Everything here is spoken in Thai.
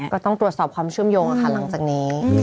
ก็ต้องตรวจสอบความเชื่อมโยงค่ะหลังจากนี้